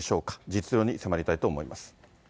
実情に迫りたいと思います。